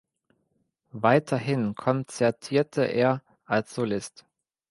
Weiterhin konzertierte er als Solist.